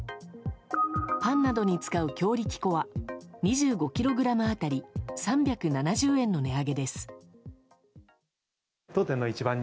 パンなどに使う強力粉は２５ｋｇ当たり３７０円の値上げです。